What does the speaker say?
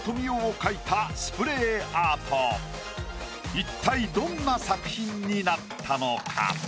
一体どんな作品になったのか？